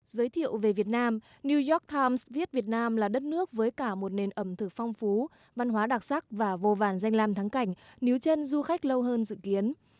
giới thiệu về việt nam new york times svit việt nam là đất nước với cả một nền ẩm thực phong phú văn hóa đặc sắc và vô vàn danh lam thắng cảnh níu chân du khách lâu hơn dự kiến